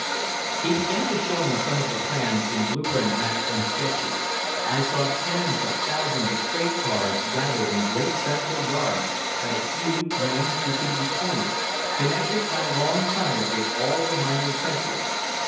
He began to show me some of the plans in blue print maps and sketches. I saw tens of thousands of freight cars gathered in great central yards at a few main strategic points connected by long tunnels with all the minor centers.